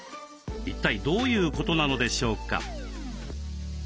一体どういうことなのでしょうか？